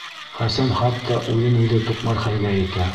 Хәсән хатта үҙен-үҙе туҡмар хәлгә етә: